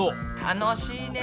楽しいね。